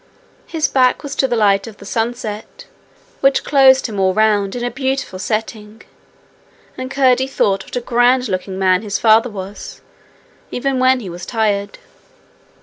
His back was to the light of the sunset, which closed him all round in a beautiful setting, and Curdie thought what a grand looking man his father was, even when he was tired.